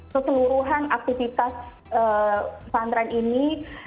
keseluruhan aktivitas pesantren ini